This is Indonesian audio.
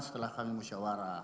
setelah kami musyawarah